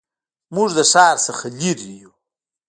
موږ د ښار څخه لرې یو